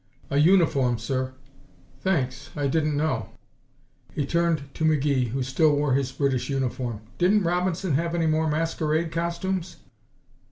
"A uniform, sir." "Thanks. I didn't know." He turned to McGee, who still wore his British uniform. "Didn't Robinson have any more masquerade costumes?"